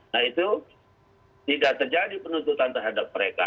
nah itu tidak terjadi penuntutan terhadap mereka